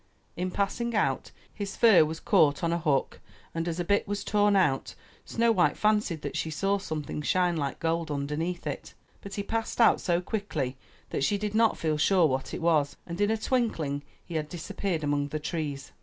In passing out, his fur was caught on a hook and as a bit was torn out. Snow white fancied that she saw something shine like gold underneath it, but he passed out so quickly that she did not feel sure what it was, and in a twinkling he had disappeared among the trees.